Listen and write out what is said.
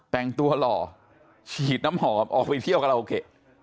แต่งโต๊ะหล่อฉีดน้ำหอมออกไปเที่ยวกันล่ะโอเค